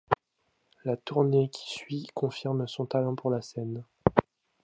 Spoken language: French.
La tournée qui suit confirme son talent pour la scène.